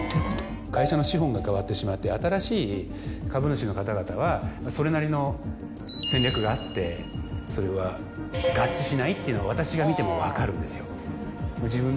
会社の資本が変わってしまって新しい株主の方々はそれなりの戦略があってそれは合致しないっていうのを私が見ても分かるんですよ。